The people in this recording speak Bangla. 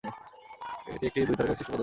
এটি একটি দুই-তারকা বিশিষ্ট পদবী।